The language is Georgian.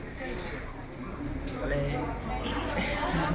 ის იწყება განმეორებადი ბასის პარტიით, ვოკალის შემოსვლამდე.